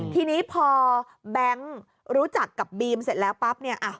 ทีนี้พอแบงค์รู้จักกับบีมเสร็จแล้วปั๊บเนี่ย